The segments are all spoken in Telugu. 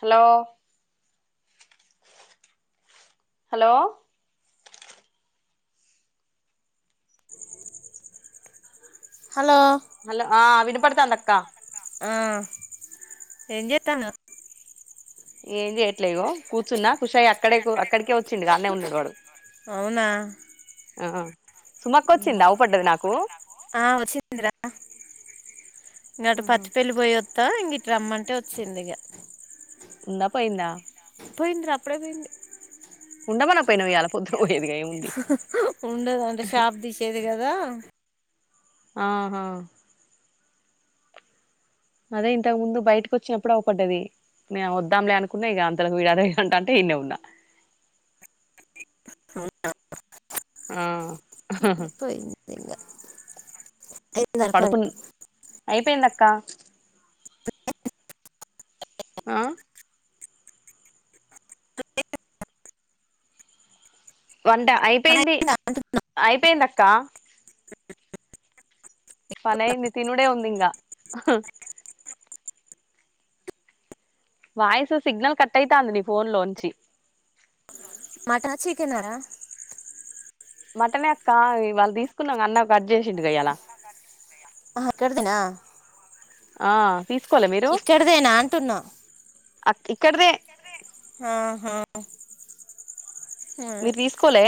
హలో హలో హలో హలో ఆ అవి పప్పడతాంది అక్కా అ ఎం జేతాను ఏం చేయట్లేగో కూర్చున్నా ఖుష అయి అక్కడే అక్కడికే వచ్చిండు అడినే ఉన్నాడు వాడు అవునా ఆ సుమక్క వచ్చింది అవుపడ్డది నాకు ఆ వచ్చిందిరా ఇంకాటి ఆహా పచ్చి పెళ్లి పోయస్తా ఇ రమ్మంటే వచ్చింది ఇక ఉందా పోయిందా పోయింది అప్పుడే పోయింది ఉండమన పోయినవ వాలళ పొ ఉండద అంటే షాప్ తీసేది కదా ఆ ఆహా అదే ఇంతకు ముందు బయటకి వచ్చినప్పుడు అవ్వ పడ్డది నే వద్దాంలే అనుకున్నా ఇక అంతలకు వడాద ఉంటా అంటే ఇన్న ఉన్నా అ ఆ పోయి ఎ తర్కడి అయిపోయింద అక్క ఆ వంట పని అయిపోయింది అయిందా అయిపోయింది అక్క అ మనంద త నుడే వందింగా వాయిసు సిగ్నల్ కట్ అయితాంది నీ ఫోన్ లోంచి మటన్ చికెనా రా మట్టనే అక్క ఈవాళ్ల తీసుకున్నాగా అన్న కట్ చేసిండుగా ఈయాల ఆ అక్కడ్దేనా ఆ తీ ఇక్కడదేను అంటున్నా ఇక్కడదే ఆహా హ్మ్ మీరు తీసుకోలే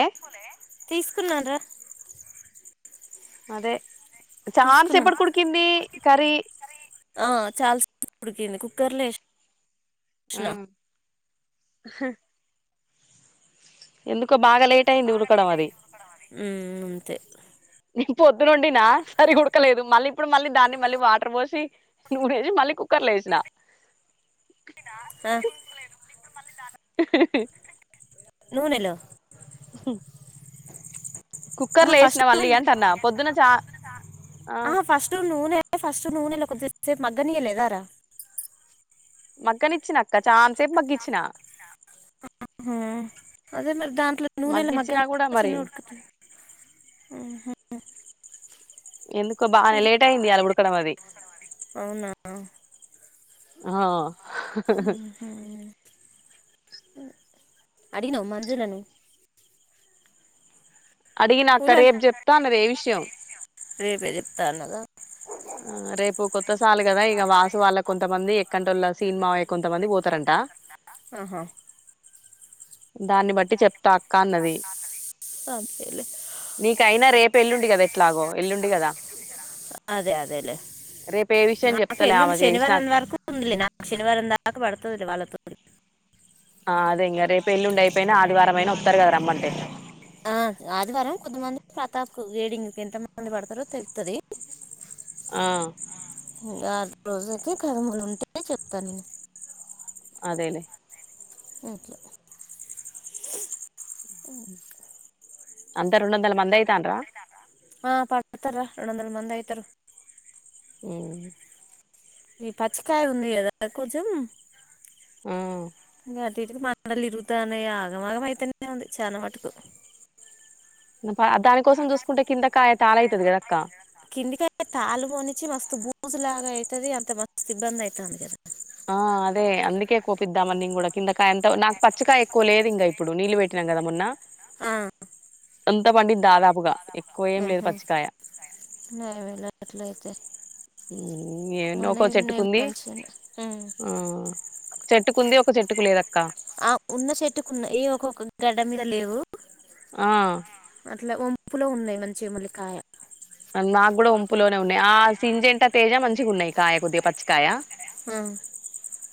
తీసుకున్నారా అదే చాన్ తీసుకున్నాను సేపటికి ఉడికింది కర్రీ ఆ చాలా స్ ఉడికింది కుక్కర్లో ఏస్ ఆ ఎందుక్ మ్మ్ అంతే పొద్దునోన్డినా సరిగుడకలేదు. మళ్ళీ ఇప్పుడు మళ్ళీ దాన్ని మళ్ళీ వాటర్ పోసి నూడేసి మళ్ళీ కుక్కర్లో వేసినా. ఆ నూనెలో కుక్కర్ లో ఆ ఏసినా ఫస్ట్ మళ్ళీ అంటాన్న పొద్దున్న చా ఆ ఫస్ట్ నూనె ఫస్ట్ నూనెలో కొంచెం సేప్ మగ్గనీయలేదా రా మగ్గనిచ్చినక్క చా హ అదే మర్ దాంట్లో నూనెళ మగ్గ మగ్గిచ్చినా కూడా చి మరి న్న ఉడుకుత ఎందుకో బానే లేట్ అయింది ఇయాల ఉడకడం అది అవునా హ అడినవ మంజులను అడిగినక్క కూలాలి రేపు చెప్తా అన్నది ఏ విషయం రేపే చెప్తా అన్నదా ఆ రేపు కొత్త సాలు కదా ఇగ వాసు వాళ్ళ కొంతమంది ఎక్కంటోళ్ళ సీను మామయ్య కొంతమంది పోతరంట ఆహా దాన్ని బట్టి చెప్తా అక్క అన్నది అంతేలే నీకయినా రేపు ఎల్లుండి కదా ఎట్లాగో ఎల్లుండి కదా అదే అదేలేే రేపు ఏ విషయం నాకు చెప్తలే ఆమె ఎల్లుండి చేసిన శనివారం వరకు నాకు శనివారం దాక పడుతదిలే వాళ్లతో ఆ అదే ఇంగా రేపు ఎల్లుండి అయిపోయినా ఆదివారమయినా వత్తరు కదా రమ్మంటే కో గేడింగ్ కి ఎంత మంది పడుతరో తెలుత్తది ఆ ఇంగ ఆ రోజుకి కర్మలు ఉంటే చెప్తాను నేను అదేలే ఒకే అంత రెండు వందల మంది ఐతాన్ర ఆ పడతారా రెండు వందల మంది అయితారు ఉ ఈ పచ్చికయ ఉంది గదా కొంచం ఆ అటు ఇట్ కి మండలు ఇరుగుతనయ్ ఆగంమాగం అయితేనే ఉంది చాలా మటుకు నాపత్ అక్క కిందికి తాళ్లు పోనిచ్చ మస్తు బూ బూజు లాగా ఐతది అంత మస్తు ఇబ్బంది ఐతంది కదా ఆ అదే అందుకే కోపిద్దామని నేను కూడా కిందకాయ అంత నాకు పచ్చకాయ ఎక్కువ లేదు ఇంకా ఇప్పుడు నీళ్ళు పెట్టినం కదా మొన్న ఆ అంతా పండిద్ ఉహు నాకు తెలువదు అట్ల అయితే ఎన్నో ఒక్క చెట్టుకుంది మంచిగానే ఉమ్. ఆ చెట్టుకుంది ఒక చెట్టుకు లేదక్క ఆ ఉన్న చెట్టుకు ఉన్న ఏ ఒక్కొక్క గడ్డ మీద లేవు ఆ ఉ అట్లా ఒంపులో ఉన్నాయి మంచి మూలికాయ నాకు కూడా ఉంపులోనే ఉన్నాయి ఆ సెంజేట తేజ మంచిగా ఉన్నాయి కాయ కొద్దిగా పచ్చికాయ ఆ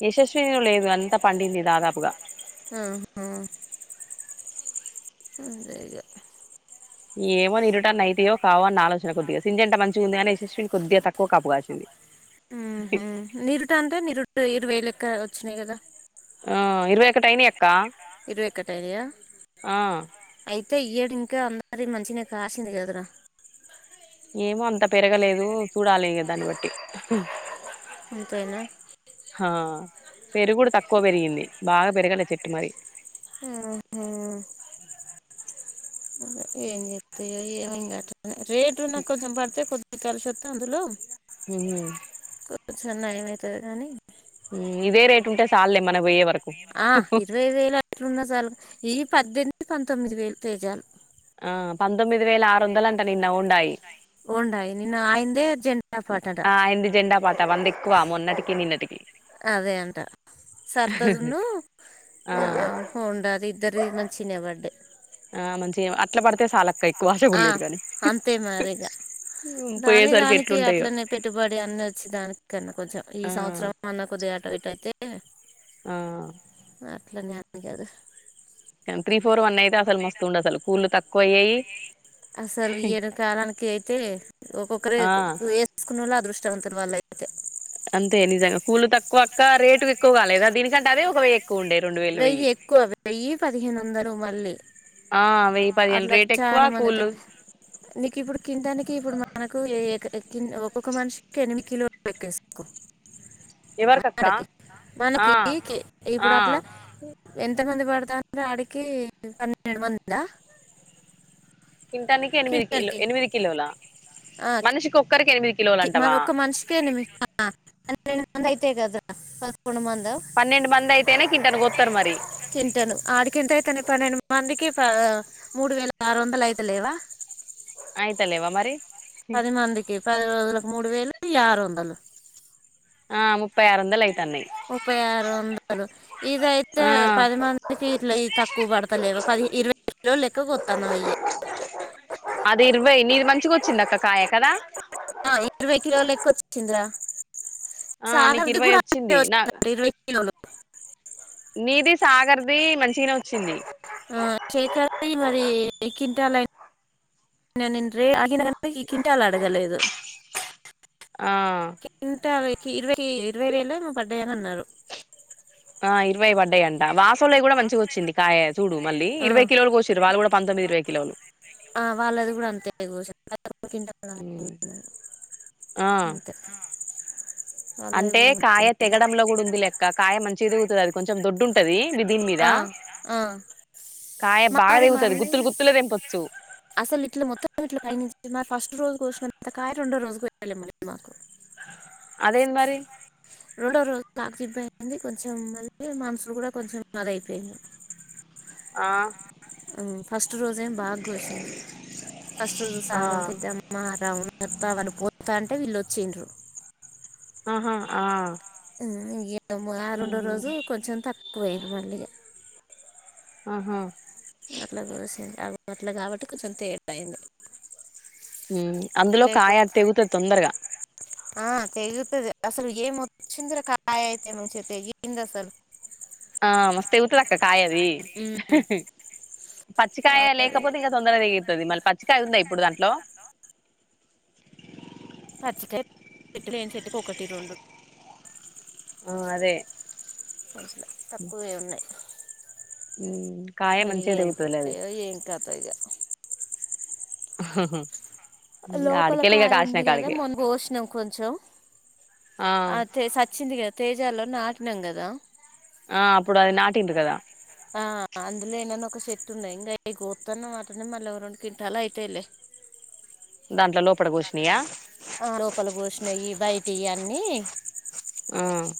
యశస్విను లేదు అంతా పండింది దాదాపుగా ఉ హు అంతేగా ఏమని ఇరుట్ ఉంటా నైటీయో కావో అన్న ఆలోచన కొద్దిగా సెంజేట మంచిగా ఉంది కాని యశస్విని కొద్దిగా తక్కువ కప్పుకాసింది ఉహు. నిరుట అంటే నిరుట ఇరవై లెక్క వచ్చినాయి గదా హ ఇరవై ఒకటి అయినాయ్ అక్క ఇరవై ఒకటి అయినాయ ఆ ఐతు అయితే ఇయ్యడు ఇంకా అందరి మంచిని కాసింది కదరా. ఏమో అంత పెరగలేదు చూడాలి ఇగ దాన్ని బట్టి అంతేనా ఆ పెరుగు కూడా తక్కువ పెరిగింది. బాగా పెరగల చెట్టు మరి. ఆ ఆ ఏం చెతాయో ఏమో ఇంగట రేట్ నా కొంచెం బర్తే కొంచెం కలిసొత్తే అందులో హుమ్ చూస్తన్నా ఏమయితది గానీ ఇదే రేటు ఉంటే చాలులే మనం పోయే వరకు ఆ ఇరవై వేలు అట్లున్నా చాలు ఈ పద్దెనిమిది పంతొమ్మిది వేలు పేజీలు ఆ పంతొమ్మిది వేల ఆరు వందలు అంట నిన్న ఉండాయి ఉండాయి నిన్న ఆయందే జెండా పాటట ఆ ఆయనది జెండా పాట వంద ఎక్కువ మొన్నటికి నిన్నటికి అదే అంట సర్తదును ఆ ఉండ అది ఇద్దరి మ చ్చినబడ్ ఆ మంచి అట్లా పడితే సాలక్క ఆ అంతే మరిగా దాని పోయేసరికి దానికి ఎట్లుంటాయో అట్లనే పెట్టుబడి అన్ని వచ్చి దానికన్నా కొంచెం ఈ ఆ సంవత్సరం అన్న కొద్దిగాట ఇటయితే ఏ ఆ అట్లాంగ కాదు త్రీ ఫోర్ వన్ అయితే అసలు మస్తు ఉంది అసలు పూలు తక్కువ అయ్యాయి. అసలు ఈడ కాలానికి అయితే ఒక్కొక్కరే ఆ వేసుకునే వాళ్ళే అదృష్టవంతులు వాళ్ళే. అదే అంతే నిజంగా పూలు తక్కువ అక్క రేట్ ఎక్కువ లేద దిని కంటే అదే ఒకవేళ ఎక్కువ. ఉండే రెండు వేలు వెయ్యి ఎక్కువ వెయ్యి పదిహేను వందలు మళ్ళీ, ఆ వెయ్యి పదిహేను అట్లా రేట్ ఎక్కువ చాలా మంది కూళ్ళు అవుతంది. నీకు ఇప్పుడు కిందానికి ఇప్పుడు మనకు ఎక్కిన్ ఒక మనిషికి ఎనిమిది కిలోలు లెక్కేసుకో. ఎవరికి అక్కా మాటకి ఆ ఆ. ఎంత మంది పడతాన్రు ఆడికి పన్నెండు మందా. తింటానికి ఎనిమిది కిలో కింటాల్కి ఎనిమిది కిలోలా ఆ మనిషికి ఒక్కరి. మన ఒక్క మనిషికేమి రెండు మ అయి. అంతే కద సన్ పదాకొండు మంద పన్నెండు మంది అయితేనే కింటానికి కోత్తరు మరి తింటాను ఆడికి ఎంత అయితను పన్నెండు మందికి. ఆ మూడు వేల ఆరు వందలు అయితలేవా. అయితలేవా మరి. పది మందికి పది రోజులకు మూడు వేలు ఈ ఆరు వందలు ఆ ముప్పై ఆరు వందలు అయింది ముప్పై ఆరు వందలు ఇదయితే ఆ పదిమందికిీ ఇట్ల ఈ తక్కువ పడతలేవా పది ఇరవై కిలోలు ఎక్కువ పోతన్నాయి చిన్నక్క కాయ కదా చింది రా ఆ నీకు సాగార్ది ఇరవై కూడా అట్లనే నా వచ్చింది అక్క ఇరవై కిలోలు నీది సాగర్ ది మంచిగనే వచ్చింది ఆ, శేఖర్ ది ననిన్ రీ ఆగన ఈ కింటాలు అడగలేదు ఆ కింటావి ఇరవై ఇరవై వేలొ ఏమొ పడ్డాయనన్నారు ఆ ఇరవై వడ్డాయంట వాసోల్లయ్ కుడ మంచిగా వచ్చింది కాయ చూడు మళ్ళీ ఆ ఇరవై కిలోలు వచ్చరారు వాళ్ళు కూడా పంతొమ్మిది ఇరవై కిలోలు ఆ వాళ్ళది కూడా అంతే క్వింటాల్ ఆ అంతే వాళ్ళది అంటే కూడా కాయ తెగడంలో గుడ ఉందిలె అక్క కాయ మంచిగ తేగుతది అది కొంచెం దొడ్డుంటది వి దీని మీద ఆ ఆ కాయ బాగ మాది తెగుతది మళ్ళీ గుత్తులు గుత్తుల్గ దెంపచ్చు అసలు ఇట్లా అంతకాయ రెండ రోజుకు [inaudible] [unintelligible] అదేంద్మరి రొండొ రోజు [inaudible] కొంచెం మళ్ళీ మనుషులు కూడా కొంచెం అది అయిపోయింది ఆ ఉ ఫస్ట్ రోజేంమో బాగ కోసిండ్రు ఫస్ట్ రోజు ఆ సామా పెద్దామ్మా రా త్త వాళ్ పోత్తాంటే వీళ్ళొచ్చిండ్రు ఆహా ఆ మ్ రెండో రోజు కొంచెం తక్ పొయిర్రు మల్లిగా ఆహా అట్లగోసిర్ర అట్ల కాబట్టి కొంచెం తేట్ అయింది ఉ అందులో లేకపోతే కాయ తెగుతది తొందరగా ఆ తెగుతది అసలు ఏం వచ్చింద్ర కాయ అయితె మంచిగ తెగింది అసలు ఆ మస్త్ ఎగుతది అక్క కాయ అదీ ఉమ్. పచ్చికాయ లేకపోతే ఇంకా తొందరగా తెగితది మళ్ళి పచ్చికాయ ఉందా ఇప్ప్ ఇప్పుడ్ దాంట్లో పచ్చికయ్ పెట్లేని చెట్టుకి ఒకటి రెండు ఆ అదే తక్కువే ఉన్నాయి కాయ మరి మంచిగా ఏం తెగుతదిలే అది చెత్తయె ఏం కతో ఇగ ఆహాహ లోపల కాయ ఉంది కదా మొన్ కోష్ణం కొంచెం ఆ అతె సచ్చింది కద్ తేజాలొ నాకినం గదా ఆ అప్పుడు అది నాటిండ్రు కదా తున్నాయి ఇంగవి కోత్తున్నం అట్లనే మళ్ళ రెండు కింటాలు అయితయిలె దాంట్ల లో ఆ లోపల బోషినయీ బయటయీ అన్నీ అయ్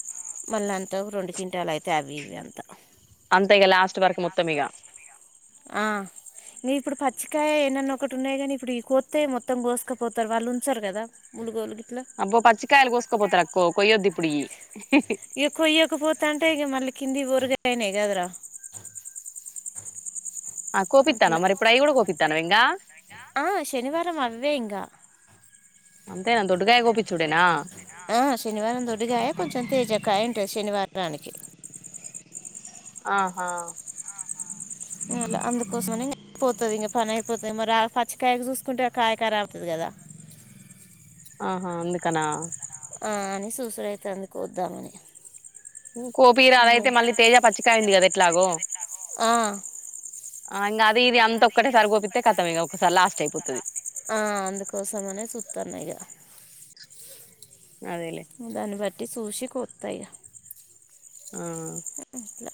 మళ్ళ అంతవ్ రెండు కింటాలెయితయ్ అవి ఇవి అంత అంత ఇగ లాస్ట్ వరకు మొత్తం ఇగ ఆ నీకు ఇప్పుడు పచ్చికాయె ఏన్నన్న ఒకటి ఉన్నాయి కని ఇప్పుడు కోత్తె మొత్తం కోస్కపోతార్ వాళ్ళు ఉంచర్ కదా ములుగోలుగ్ అబ్బ పచ్చికాయలు కోసకపోతరక్కో కొయ్యొద్దు ఇప్పుడియ్యి ఇక కొయ్యకపోతా అంటే ఇక మళ్ళీ కింది ఓర్గయిని కదరా ఆ అట్ల కోపిత్తన్నవ మరి ఇప్పుడు అయి కూడా కోపిత్తన్నవ ఇంగా ఆ శనివారం అవ్వే ఇంక అంతేన దొడ్డుగాయ గోపి ఇచ్చుడేన ఆ శనివారం దొడ్డిగాయ కొంచెం తేజకాయ ఉంటది శనివారానికి ఆహా ఏమ్ లే అందుకోసమని పోతది ఇంగ పని అయిపోతది మరి ఆ పచ్చికాయకి చూసుకుంటే కాయ కరాబయితది కదా ఆహ అందుకనా ఆ అని సూసుడైతంది కోద్దామని కోపీయరాదయితే మళ్ళీ తేజ పచ్చికాయ ఉంది కద ఎట్లాగొ ఆయ్ అ ఇంగ అది ఇది అంత ఒక్కటే సారి కోపిత్తే కతం ఇగ ఒకసారి లాస్ట్ అయిపోతది ఆ అందుకోసమనే చుత్తన్న ఇగ అదేలే దాన్ని బట్ టి సూసి కోత్తయి ఇగ ఆ ఇట్ల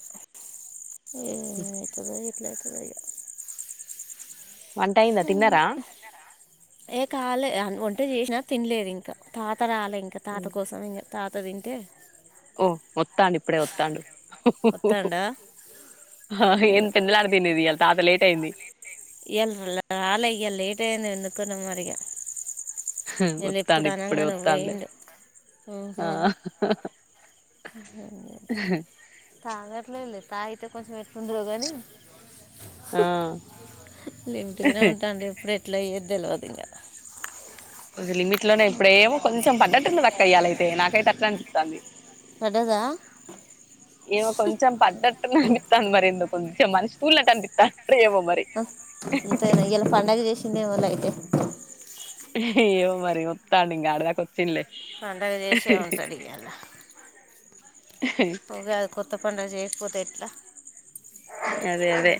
ఏదేమైతదో ఏమో ఎట్లైతదొ ఇగ వంట అయింద తిన్నార ఏ కాలే వంట చేసినా తిన్లేదు ఇంకా త తాత రాలే ఇంక తాత కోసం ఇగ తాత దింటే ఓ ఒత్తాండు ఇప్పుడె ఒత్తాండు హొ ఒ వత్తాండా హొ ఎం తిన్న దాకా తిన్లేదు ఇయ్యాల తాత లేట్ అయింది అందుక నో మరి ఇగ ఇయాళ వత్తాండు ఎప్పుడు ఇప్పుడే అనంగనో వత్తాండులే పోయిండు ఆ తాగట్లే లే తాగితే కొంచమెట్లుంటదో గానీ ఆ లిమిట్గానే ఉంటాండు ఎప్పుడు ఎట్లయ్యేది తెల్వదు ఇంగ కొది లిమిట్ లోనే ప్రేమ కొంచం పడ్డట్టుంద కయ్యాలయితే నాకైతే అట్లనే అనిపిత్తాంది పడ్డదా ఏమో కొంచెం పడ్డట్టున్నది అనిపింతాంది మరి ఏందో కొంచెం మనిషి తూలినట్టు అనిపిత్తంది మంత ఎలా పండగ జేసింది వల అతే ఏవో మరి వత్తాండు ఇగ ఆడ దాకా ఒత్ పండగ చేసే ఉంటాడు కదా ఉగాది కొత్త పండుగ చేసి పోతేట్లా అదే అదే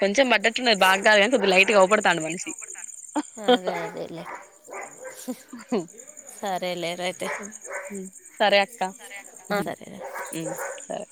కొంచెం బట్టట్న్నా బా కొద్ది లైట్ గా అవుపడుతాండు మనిషి అదే అదేలే సరేలే రా అయితే క్క సరేరా సరే